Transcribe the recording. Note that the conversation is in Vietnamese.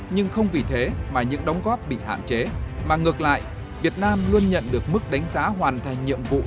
nhưng không vì thế mà những đóng góp bị hạn chế mà ngược lại việt nam luôn nhận được mức đánh giá hoàn thành nhiệm vụ